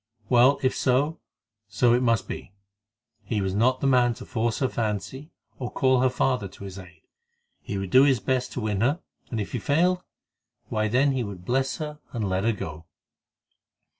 Well, if so, so it must be; he was not the man to force her fancy, or call her father to his aid. He would do his best to win her, and if he failed, why then he would bless her, and let her go.